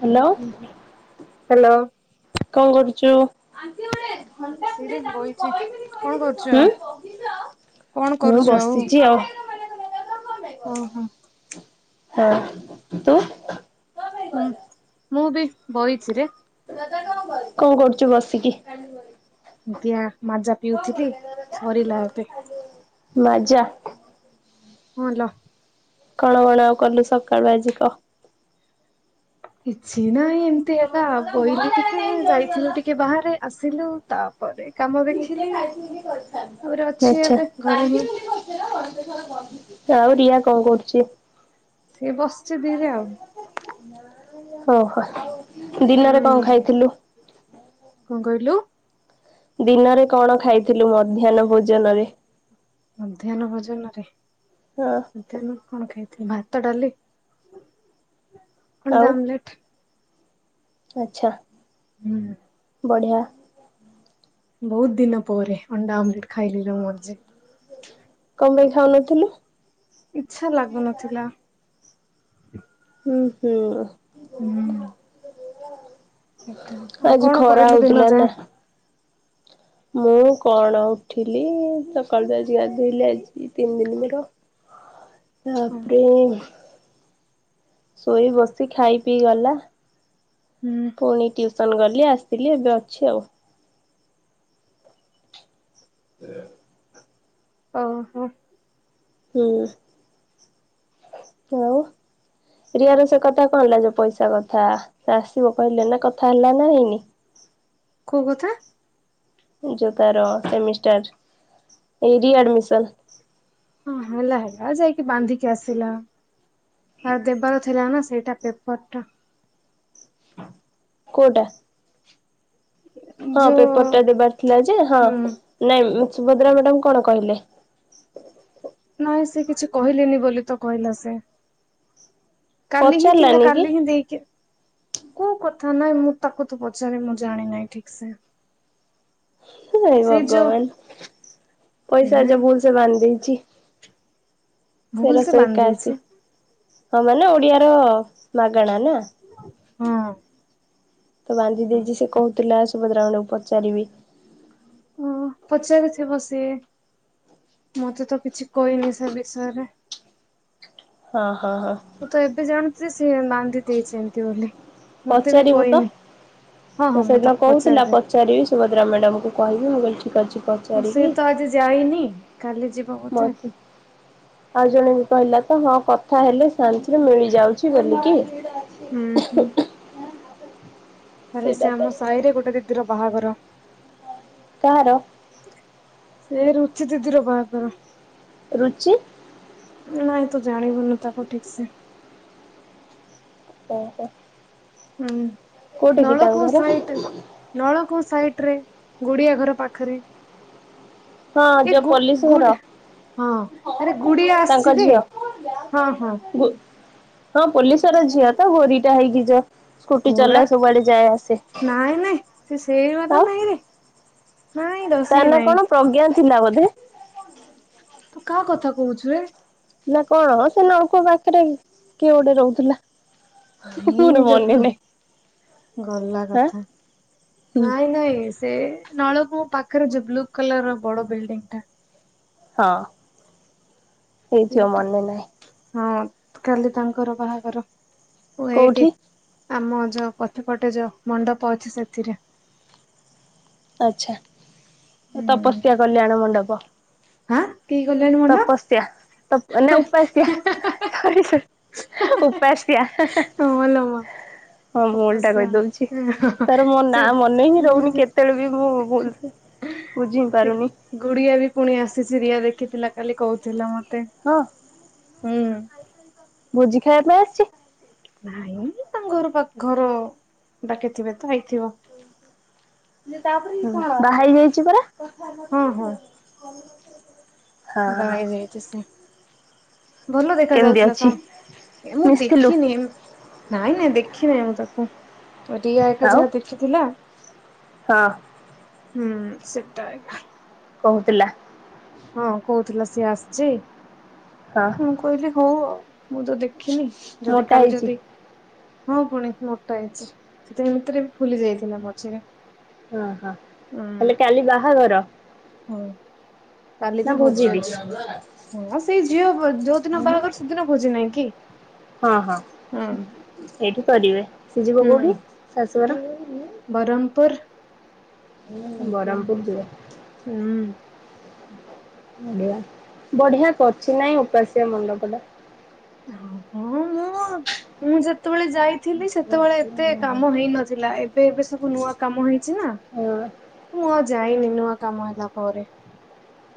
Hello. Hello. କଣ କରୁଚୁ? ରେ ବଇଚି, କଣ କରୁଛ ହୁଁ କଣ ମୁଁ କରୁଛ ଆଉ? ବସିଛି ହଁ ଓହୋ। ହୁଁ ତୁ ହୁଁ ମୁଁ ବି ବଇଛି ରେ। କଣ କରୁଛ ବସିକି? ଦିଆ ମାଜା ପିଉଥିଲି ସରିଲା ଏବେ। ମାଜା। ହଁ ଲୋ। କଣ କଣ ଆଉ କଲୁ ସକାଳୁ ଆଜି କ? କିଛି ନାହିଁ ଏମିତି ଏକା ବୋଇଲି ଟିକେ ଯାଇଥିଲୁ ଟିକେ ବାହାରେ ଆସିଲୁ ତା ପରେ କାମ ଦେଖିଲି ତାପରେ ଅଛି ଆଚ୍ଛା ଏବେ ଘରେ ହିଁ। ଆଉ ରିଆ କଣ କରୁଛି? ସିଏ ବସିଚି ଧିରେ ଆଉ। ଓହୋ ଦିନରେ କଣ ହୁଁ ଖାଇଥିଲୁ? କଣ କହିଲୁ? ଦିନରେ କଣ ଖାଇଥିଲୁ ମଧ୍ୟାହ୍ନ ଭୋଜନରେ? ମଧ୍ୟାହ୍ନ ଭୋଜନରେ? ହଁ କଣ ଖାଇଥିଲି ଭାତ, ଡାଲି, ଆଉ ଅଣ୍ଡା ଆମ୍ଲେଟ। ଆଚ୍ଛା। ହୁଁ। ବଢ଼ିଆ। ବହୁତ ଦିନ ପରେ ଅଣ୍ଡା ଆମଲେଟ ଖାଇଲି [unintelligible] କଣ ପାଇଁ ଖାଉନଥିଲୁ? ଇଚ୍ଛା ଲାଗୁନଥିଲା। ହୁଁ ହୁଁ। ହୁଁ। ସେଇଟା ଆଉ ଆଜି କଣ ଖରା କରିଲୁ ଦିନ ହଉଥିଲା ନା। ଯାଏ। ମୁଁ କଣ ଉଠିଲି ସକାଳୁ ତ ଆଜି ଗାଧୋଇଲି ଆଜି ତିନି ଦିନ ମୋର। [inaudible] ତାପରେ ଶୋଇ ବସି ଖାଇ ପିଇ ଗଲା। ହୁଁ। ପୁଣି ଟ୍ୟୁସନ ଗଲି ଆସିଲି ଏବେ ଅଛି ଆଉ। [inaudible] ଓହୋ। ହୁଁ ଆଉ। ରିୟାର ସେ କଥା କଣ ହେଲା ଯୋଉ ପଇସା କଥା ସେ ଆସିବ କହିଲେ ନା କଥା ହେଲା ନା ହେଇନି? କୋଉ କଥା? ଯୋଉ ତାର ସେମିଷ୍ଟାର ଏଇ ରିଆଡମିସନ? ହଁ ହେଲା ହେଲା ଯାଇକି ବାନ୍ଧିକି ଆସିଲ। ଆଉ ଦେବାର ଥିଲା ନା ସେଇଟା ପେପର ଟା। କୋଉଟା? ହଁ ଯୋଉ ପେପରଟା ଦେବାର ଥିଲା ଯେ ହଁ ହୁଁ ନାଇଁ ସୁଭଦ୍ରା ମ୍ୟାଡାମ କଣ କହିଲେ? ନାଇଁ ସେ କିଛି କହିଲେନି ବୋଲି ତ କହିଲା ସେ। କାଲି ହିଁ ଥିଲା ପଚାରିଲାନି କି? କାଲି ହିଁ ଦେଇକି କୋଉ କଥା ନାଇଁ ମୁଁ ତାକୁ ତୁ ପଚାରେ ମୁଁ ଜାଣିନାହିଁ ଠିକସେ। ହେ ଯୋଉ ଭଗବାନ ପଇସା କେଜାଣି ଯେ ଭୁଲସେ ବାନ୍ଧି ଦେଇଛି। ଭୁଲ ସେ ତେରଶ ବାନ୍ଧି ଦେଇଛି ଏକାଅଶି ହଁ ମାନେ ଓଡ଼ିଆର ମାଗେଣା ନା। ହଁ। ତ ବାନ୍ଧି ଦେଇଚି ସେ କହୁଥିଲା ସୁଭଦ୍ରା ମ୍ୟାଡାମଙ୍କୁ ପଚାରିବି। ଓ ପଚାରିଥିବ ସିଏ ମତେ ତ କିଛି କହିନି ସେ ବିଷୟରେ। ହଁ ହଁ ହଁ। ମୁଁ ତ ଏବେ ଜାଣୁଚି ଯେ ସିଏ ବାନ୍ଧି ଦେଇଛନ୍ତି ବୋଲି। ମତେ ବି ପଚାରିବୁ ତ କହିନି ହଁ ତ ହଁ ମୁଁ ସେଦିନ ତାକୁ କହୁଥିଲା ପଚାରିଦେ ପଚାରିବି ସୁଭଦ୍ରା ମ୍ୟାଡାମଙ୍କୁ କହିବି ମୁଁ କହିଲି ଠିକ୍ ଅଛି କ ହଁ ସେ ତ ଆଜି ଯାଇନି କାଲି ଯି ମତେ ଆଉ ଜଣେ ବି କହିଲା ତ ହଁ କଥା ହେଲେ ସାମ୍ସରେ ମିଳିଯାଉଛି ବୋଲିକି। ହୁଁ ହୁଁ। କାଲି ସେଇଟା ସେ ପାଇଁ ଆମ ସାଇରେ ଗୋଟେ ଦିଦିର ବାହାଘର। କାହାର? ସେ ରୁଚି ଦିଦିର ବାହାଘର। ରୁଚି? ନାଇଁ ତୁ ଜାଣିବୁନୁ ତାକୁ ଠିକସେ। ଓହୋ। ହୁଁ କୋଉଠି କି ତାଙ୍କ ନଳକୂଅଁ ଘର ସାଇଟ୍ ନଳକୂଅଁ ସାଇଟରେ ଗୁଡିଆ ଘର ପାଖରେ। ହଁ ଏ ଯୋଉ ପୋଲିସ ଘର। ଗୁ-ଗୁଡ ହଁ ଆରେ ଗୁଡିଆ ତାଙ୍କ ଆସଚି ରେ। ଝିଅ ହଁ ହଁ। ଗୁ ହଁ ପୋଲିସ ର ଝିଅ ତ ଗୋରିଟା ହେଇକି ଯ ସ୍କୁଟି ଘୋରା ଚଲାଏ ସବୁଆଡେ ଯାଏ ଆସେ ନାଇଁ ନାଇଁ ସେ ସେଇ ବାଲା ଆଉ। ନାଇଁରେ ନାଇଁ ତା ସିଏ ନାଁ ନାଇଁ କଣ ପ୍ରଜ୍ଞା ଥିଲା ବୋଧେ। ତୁ କାହା କଥା କହୁଛୁ ରେ? ନା କଣ ସେ ନଳକୂଅଁ ପାଖରେ କିଏ ଗୋଟେ ରହୁଥିଲା। ନାଇଁ ମୋର ଯୋଉ ମନେ ନାହିଁ ବ୍ଲୁ ଗଲା ହାଁ କଥା ହୁଁ ନାଇଁ ନାଇଁ। ସେ ନଳକୂଅଁ ପାଖରେ ଯୋଉ ବ୍ଲୁ କଲର ର ବଡ ବିଲ୍ଡିଂ ଟା। ହଁ ହେଇଥିବ ସେଇଟା। ମନେ ନାହିଁ। ହଁ କାଲି ତାଙ୍କର ବାହାଘର ଉ କୋଉଠି ଏଇଟି ଆମ ଯୋଉ ପଛ ପଟେ ଯୋଉ ମଣ୍ଡପ ଅଛି ସେଥିରେ। ଆଚ୍ଛା ଓ ହୁଁ। ତପସ୍ୟା କଲ୍ୟାଣ ମଣ୍ଡପ। ହାଁ କି କଲ୍ୟାଣି ମଣ୍ଡପ? ତପସ୍ୟା ତପ ନା ଉପାସ୍ୟା ସରି ସ ଉପାସ୍ୟା ହାଁ ହାଁ। ହଁ ଲୋ ମା ହଁ ମୁଁ ଓଲଟା ତପସ୍ୟା କହିଦଉଛି ତାର ମୋ ନାଁ ମନେ ହିଁ ସେ ରହୁନି କେତେବେଳେ ବି ମୁଁ ଭୁଲସେ ବୁଝି ସେ ପାରିମି ଗୁଡିଆ ବି ପୁଣି ଆସିଛି ରିଆ ଦେଖିଥିଲା କାଲି କହୁଥିଲା ମତେ। ହଁ। ହୁଁ। ଭୋଜି ଖାଇବା ପାଇଁ ଆସିଛି? ନାଇଁ ତାଙ୍କ ଘର ପା ଘର ଡାକି ଥିବେ ତ ଆଇଥିବ। ବାହା ହେଇ ଯାଇଛି ପରା? ହଁ ହଁ। [unintelligible] ବାହା ହେଇ ଯାଇଛି ସେ। ଭଲ ଦେଖା କେମିତି ଯାଉଥିଲା ଅଛି? ଶ ଏ ମୁଁ ମିଶିଥିଲୁ ଦେଖିନି। ନାଇଁ ନାଇଁ ଦେଖି ନାହିଁ ମୁଁ ତାକୁ। ରିୟା ଏକା ଆଉ ଯାହା ଦେଖିଥିଲା। ହଁ। ହୁଁ ସେଟା ଆଇଲା। କହୁଥିଲା ହଁ କହୁଥିଲା ସିଏ ଆସିଛି ହଁ ମୁଁ କହିଲି ହଉ ଆଉ ମୁଁ ତ ଦେଖ ଖିଇନି ଯଦି ମୋଟା କାଲି ହେଇଛି ଯଦି ମୁଁ ପୁଣି ମୋଟା ହେଇଛି ସେ ଏଭିତରେ ଫୁଲି ଯାଇଥିଲା ମଝିରେ। ହଁ ହଁ ହେଲେ କାଲି ବାହାଘର? ହୁଁ କାଲି ବି ଭୋଜି ଅଛି। ହ ସେଇ ଝିଅ ବ ଯୋଉ ଦିନ ବାହାଘର ସେଦିନ ଭୋଜି ନାହିଁ କି? ହଁ ହଁ ହୁଁ। ଏଇଠି କରିବେ ସେ ଯିବ କୋଉଠି ଶାଶୁଘର? ବରମପୁର। ବରମପୁର ଯିବ। ହୁଁ। ବଢିଆ ବଢିଆ କରିଛି ନାଇଁ ଉପାସ୍ୟା ମଣ୍ଡପ ଟା? ହଁ ହଁ ମୁଁ-ଉ-ଉ-ଉ ମୁଁ ଯେତେବେଳେ ଯାଇ ଥିଲି ସେତେବେଳେ ଏତେ କାମ ହେଇ ନଥିଲା ଏବେ ଏବେ ସବୁ ନୂଆ କାମ ହେଇଛି ନା। ହଁ। ମୁଁ ଆଉ ଯାଇନି ନୂଆ କାମ ହେଲା ପରେ।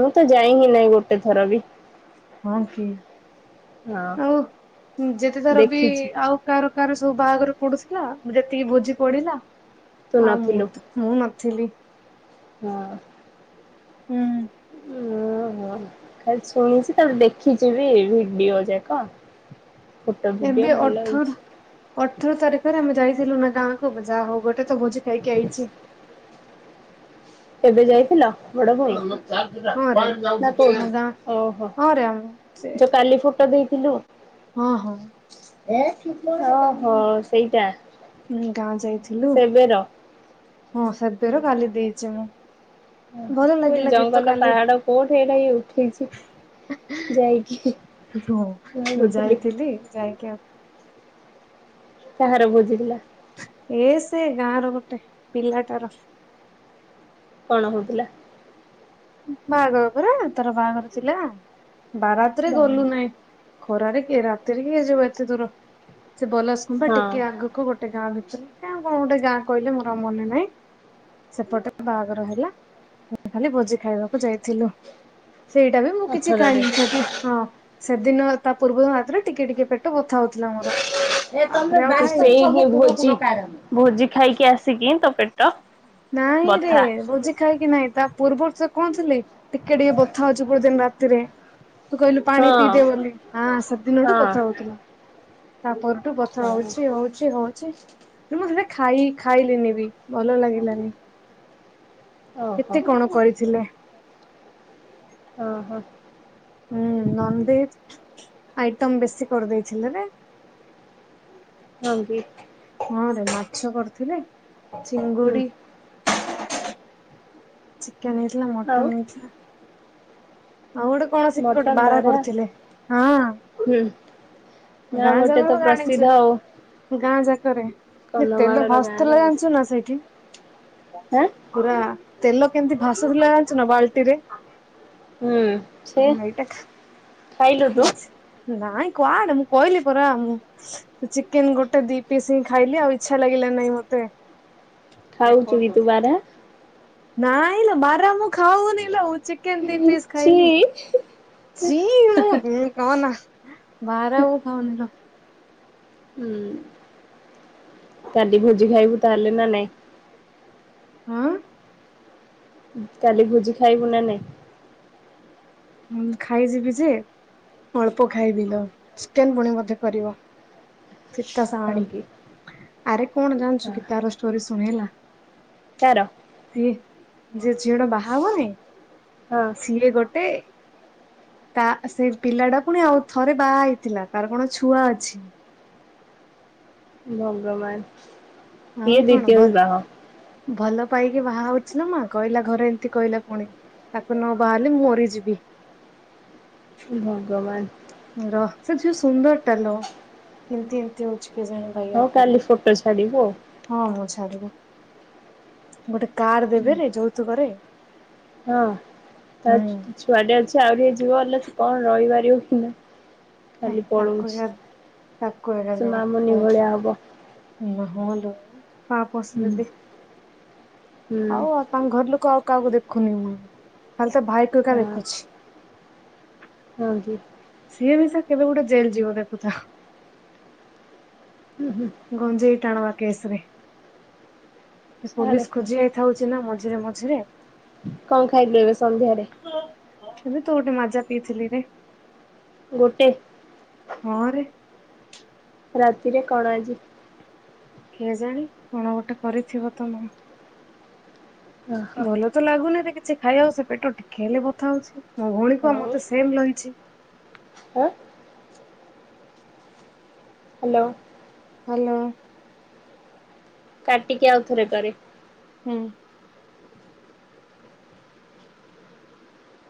ମୁଁ ତ ଯାଇନି ନା ଏ ଗୋଟେ ଥର ବି। ହଁ କି ହଁ ଆଉ ଯେତେଥର ବି ଦେଖିଛି ଆଉ କାହାର କାହାର ସବୁ ବାହାଘର ପଡୁଥିଲା ଯେତିକି ଭୋଜି ପଡିଲା ତୁ ଆଉ ମୁଁ ନଥିଲୁ ତ ମୁଁ ନଥିଲି। ହଁ। ହୁଁ। ଉ ହୁଁ ଖାଲି ଶୁଣିଛି ତାପରେ ଦେଖିଛି ବି ଭିଡିଓ ଯାକ। ଫୋଟା ଏବେ ଭିଡିଓ ଭଲ ଅଠର ହେଇଛି। ଅଠର ତାରିଖରେ ଆମେ ଯାଇଥିଲୁ ନା ଗାଁକୁ ଯାହା ହଉ ଗୋଟେ ତ ଭୋଜି ଖାଇକି ଆଇଛି। ଏବେ ଯାଇଥିଲ [unintelligible] ହଁ ରେ ଆମ ଗାଁ [unintelligible] ଓ ହୋ ହଁ ରେ ଆମ ସେ ଯୋ କାଲି ଫୋ ଟୋ ଦେଇଥିଲୁ ହଁ ହଁ। ଓହୋ ସେଇଟା। ଉଁ ଗାଁ ଯାଇଥିଲୁ ସେବେର ହଁ ସେବେର କାଲି ଦେଇଛି ମୁଁ। ଭଲ ଫୁଲ ଲାଗିଲା ଗୀତ ଜଙ୍ଗଲ କାଲି ପାହାଡ କୋଉଠ ଏଇଟା ଇଏ ଉଠେଇଛି ଯାଇକି ମୁ ହଁ କଥିଲି ଯାଇଥିଲି ଯାଇକି ଆଉ କାହାର ବୁଝିଥିଲା ଏ ସେ ଗାଁ ର ଗୋଟେ ପିଲାଟାର କଣ ହଉଥିଲା ବାହାଘର ପରା ତାର ବାହାଘର ଥିଲା ବାରାତରେ ଗଲୁ ବାହାଘର ନାଇଁ ଖରାରେ କିଏ ରାତିରେ କିଏ ଜିବ ଏତେ ଦୂର ସେ ବଲସଗୁମ୍ପା ହଁ ଟିକେ ଆଗକୁ କ ଗୋଟେ ଗାଁ ଭିତରୁ କ କଣ ଗୋଟ ଗା କହେ ମୋର ଆଉ ମନେ ନାହିଁ ସେପଟେ ବାହାଘର ହେଲା ମୁ ଖାଲି ଭୋଜି ଖାଇବାକୁ ଯାଇଥିଲୁ ସେଇଟା ବି ମୁଁ କିଛି ଅଠର ରେ ଖାଇଲିି ସେଠି ହଁ ସେଦିନ ତା ପୂର୍ବ ଦିନ ରାତିରେ ର ଟିକେ ଟିକେ ପେ ଟ ବଥାଉଥିଲା ଭୋଜି ଖାଇକି ଆସିକି ତ ପେଟ ନାଇଁ ରେ ବଥା ଭୋଜି ଖାଇକି ନାଇଁ ତା ପୂର୍ବରୁ ସେ କଣଥିଲେ ଟିକେ ଟିକେ ବଥା ହଉଛି କୋଟେ ଦିନ ରାତି ରେ ତୁ କହିଲୁ ପାଣି ହଁ ପିଇଦେ ବୋଲି ହଁ ସେଦିନଠୁ ହଁ। ବଥା ହଉଥିଲା ତାପରଠୁ ପଥର ହଁ। ହଉଛି ହଉ ଛି ହଉଛି ମୁଁ ସେଟା ଖାଇ ଖାଇଲିିନି ବି ଭଲ ଲାଗିଲାନି ଓହୋ କେତେ କଣ କରିଥିଲେ ହ ହୋ ହୁଁ ନନଭେଜ ଆଇଟମ୍ ବେଶୀ କରିଦେଇଥିଲେ ନା ହଁ ଜ ହଁ ରେ ମାଛ କରୁଥିଲେ ହୁଁ ଚିଙ୍ଗୁଡି ଚିକେନ ହେଇଥିଲା ଆଉ ମଟନ ହେଇଥିଲା ହଉ ଗୋଟେ କଣ ସେଠୀ ଗୋଟେ ବାରା କରିଥିଲେ ହଁ ହୁଁ ଯ ଗାଁ ମୋଟେ ଯାକର ତ ଜାଣିଛୁ ପ୍ରସିଦ୍ଧ ଆଉ ଗାଁ ଯାକରେ ଯେ ତେଲ କନ୍ଧମାଳର ଗାଁରେ ଭାଶୁଥିଲା ଆଉ। ଜାଣିଛୁ ନା ସେଇଠି ଆଁ ପୁରା ତେଲ କେମିତି ଭାସୁଥିଲା ଜାଣିଛୁ ନା ବାଲ୍ଟିରେ ହୁଁ ସେ ହଁ ଏଇଟା ଖାଇଲୁ ତୁ ନାଇଁ କୁଆଡେ ମୁଁ କହିଲି ପରା ମୁଁ ସେ ଚିକେନ ଗୋଟେ ଦି ପିସ୍ ହିଁ ଖାଇଲି ଆଉ ଇଚ୍ଛା ଲାଗିଲା ନାହିଁ ମତେ ଖାଉଛୁ କି ତୁ ବାରହା ନାଇଁ ଲ ବାରା ମୁ ଖାଉନି ଲ ମୁ ଚି କେନ ଦୀ ପିସ୍ ଛି ଖାଇଲି ଚି ହୁଁ କହନା ବାରହା ମୁ ଖାଉନି ଲୋ ହୁଁ କାଲି ଭୋଜି ଖାଇବୁ ତାହେଲେ ନା ନାଇଁ ହଁ କାଲି ଭୋଜି ଖାଇବୁ ନା ନାଇଁ ହଁ ଖାଇଯିବି ଯେ ଅଳ୍ପ ଖାଇବି ଲ ଚିକେନ୍ ପୁଣି ବଧେ କରିବ। ସୀତା ହଁ ସାହାଣୀ, କି ଆରେ କଣ ଜାଣିଛୁ ହଁ କି ତାର ଷ୍ଟୋରି ଶୁଣେ ହେଲା। କାର। ସିଏ ଯିଏ ଝିଅ ଟା ବାହା ହବନେଇ। ହଁ। ସିଏ ଗୋଟେ ତା ସେଇ ପିଲା ଟା ପୁଣି ଆଉ ଥରେ ବାହା ହେଇଥିଲା ତାର କଣ ଛୁଆ ଅଛି। ଭଗବାନ। ଆଉ ଇଏ କଣ ଦ୍ଵିତୀୟ ଭ ବିବାହ ଭଲ ପାଇକି ବାହା ହଉଚି ନା ମା କହିଲା ଘରେ ଏମିତି କହିଲା ପୁଣି। ତାକୁ ନ ବାହାହେଲେ ମୁଁ ମରିଯିବି। ଭଗବାନ। ରହ ସେ ଝିଅ ସୁନ୍ଦର ଟା ଲୋ, କେମତି ଏମିତି ହଉଚି କେଜାଣି। ବାଇଆ ହଉ ପରି। କାଲି ଫଟୋ ଛାଡିବୁ ଆଉ। ହଁ ମୁଁ ଛାଡ଼ିବି, ଗୋଟେ କାର ଦେବେରେ ଯୋଉତୁକରେ। ହଁ ତା ଛୁ ଛୁଆଟେ ଅଛି ଆଉରି ଇଏ ଯିବ ବଲେ ସେ କଣ ରହିପାରିବ କି ନାହିଁ। ହେ ଖାଲି ତାକୁ ପଳଉଚି ଏକା ତାକୁ ସେ ମାମୁନି ଭଳିଆ ହବ। ଇଲୋ ହଁ ଲୋ [unintelligible] ହୁଁ ହୁଁ। ତାଙ୍କ ଘର ଲୋକ ଆଉ କାହାକୁ ଦେଖୁନି ମୁଁ ଖାଲି ତା ଭାଇ କୁ ଏକା ହଁ ଦେଖୁଚି। [unintelligible] ସିଏ ବି ସେ କେବେ ଗୋଟେ ଜେଲ ଯିବ ଦେଖୁଥା। ହୁଁ ହୁଁ। ଗଞ୍ଜେଇ ଟାଣବା କେସ ରେ। ସାଡେ ପୋଲିସ ଖୋଜି ଥା ହଉଚି ନା ମଝିରେ ମଝିରେ। କଣ ଖାଇଲୁ ଏବେ ସନ୍ଧ୍ୟାରେ? ଏବେ ତ ଗୋଟେ ମାଜା ପିଇଥିଲି ରେ। ଗୋଟେ? ହଁ ରେ। ରାତିରେ କଣ ଆଜି? କିଏ ଜାଣି କଣ ଗୋଟେ କରିଥିବ ତ ମ ଓହୋ ଭଲ ତ ଲାଗୁନିରେ କିଛି ଖାଇବାକୁ ସେ ପେଟ ଟିକେ ହେଲେ ବଥା ହଉଚି। ମୋ ଭଉଣୀ କୁ ଆଉ ହଉ ମତେ ସେମ୍ ରହିଚି। ଆଁ? ହ୍ୟାଲୋ। ହ୍ୟାଲୋ। କାଟିକି ଆଉଥରେ କରେ। ହୁଁ।